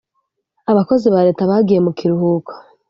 abakozi ba leta bagiye mu kiruhuko.